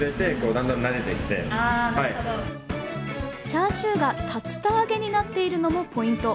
チャーシューが竜田揚げになっているのもポイント。